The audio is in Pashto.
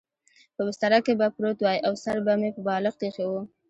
په بستره کې به پروت وای او سر به مې پر بالښت اېښی و.